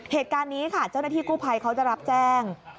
เหตุการณ์นี้ค่ะเจ้าหน้าที่กู้ภัยเขาจะรับแจ้ง